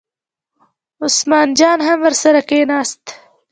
عثمان جان هم ورسره کېناست.